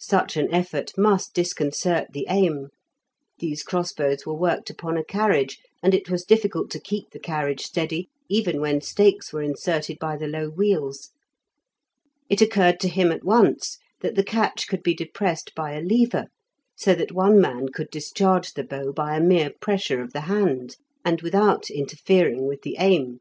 Such an effort must disconcert the aim; these crossbows were worked upon a carriage, and it was difficult to keep the carriage steady even when stakes were inserted by the low wheels. It occurred to him at once that the catch could be depressed by a lever, so that one man could discharge the bow by a mere pressure of the hand, and without interfering with the aim.